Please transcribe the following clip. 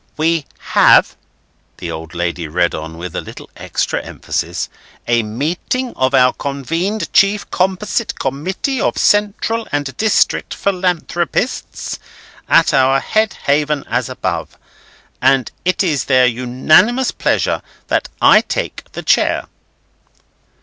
"'We have,'" the old lady read on with a little extra emphasis, "'a meeting of our Convened Chief Composite Committee of Central and District Philanthropists, at our Head Haven as above; and it is their unanimous pleasure that I take the chair.